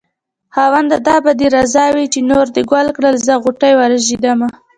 خاونده دا به دې رضا وي چې نور دې ګل کړل زه غوټۍ ورژېدمه